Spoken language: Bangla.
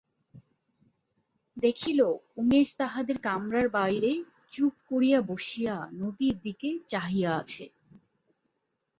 দেখিল, উমেশ তাহাদের কামরার বাহিরে চুপ করিয়া বসিয়া নদীর দিকে চাহিয়া আছে।